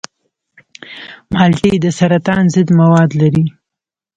مالټې د سرطان ضد مواد لري.